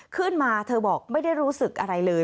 ขึ้นมาเธอบอกไม่ได้รู้สึกอะไรเลย